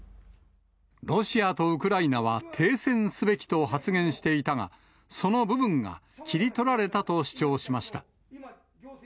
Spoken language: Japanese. ロシアとウクライナは停戦すべきと発言していたが、その部分が切り取られたと主張しました。